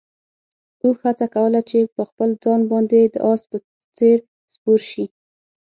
اوښ هڅه کوله چې په خپل ځان باندې د اس په څېر سپور شي.